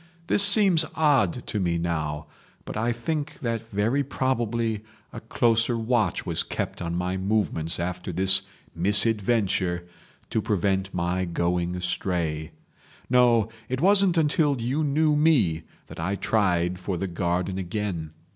This seems odd to me now, but I think that very probably a closer watch was kept on my movements after this misadventure to prevent my going astray. No, it wasn't until you knew me that I tried for the garden again.